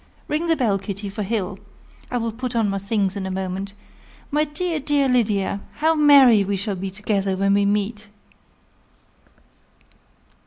Ring the bell, Kitty, for Hill. I will put on my things in a moment. My dear, dear Lydia! How merry we shall be together when we meet!"